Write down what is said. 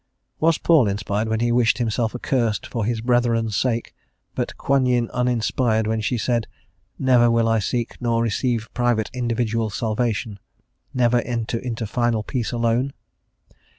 "* Was Paul inspired when he wished himself accursed for his brethren's sake, but Kwan yin uninspired, when she said, "Never will I seek nor receive private individual salvation; never enter into final peace alone?"